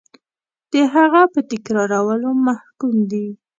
د هغه په تکرارولو محکوم دی.